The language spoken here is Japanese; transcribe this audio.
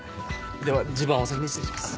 「では自分はお先に失礼します」